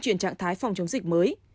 chuyển trạng thái phòng chống dịch mới